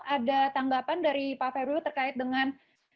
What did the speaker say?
ada tanggapan dari pak febrio terkait dengan